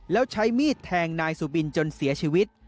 แล้วใช้มีดแทงนายสุบินจนเสียชีวิต